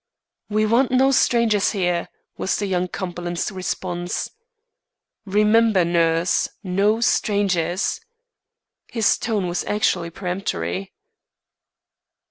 "We want no strangers here," was young Cumberland's response. "Remember, nurse, no strangers." His tone was actually peremptory.